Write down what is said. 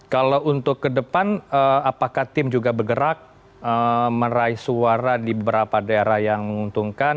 kalau untuk ke depan apakah tim juga bergerak meraih suara di beberapa daerah yang menguntungkan